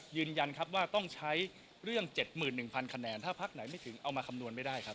ยืนยันครับว่าต้องใช้เรื่อง๗๑๐๐คะแนนถ้าพักไหนไม่ถึงเอามาคำนวณไม่ได้ครับ